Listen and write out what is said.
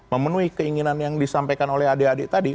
memenuhi keinginan yang disampaikan oleh adik adik tadi